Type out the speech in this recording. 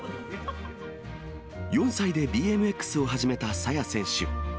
４歳でＢＭＸを始めた爽選手。